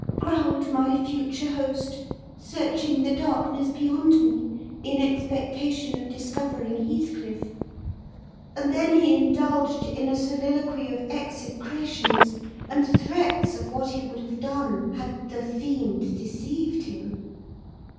growled my future host, searching the darkness beyond me in expectation of discovering Heathcliff; and then he indulged in a soliloquy of execrations, and threats of what he would have done had the "fiend" deceived him.